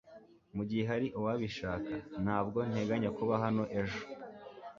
Mugihe hari uwabishaka, ntabwo nteganya kuba hano ejo.